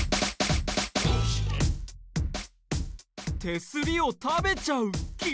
手すりを食べちゃう木？